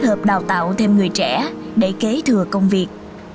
hợp đào tạo thêm người trẻ để kế thừa công việc